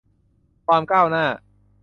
ความก้าวหน้า